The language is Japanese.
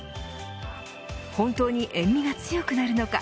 本当に塩味が強くなるのか。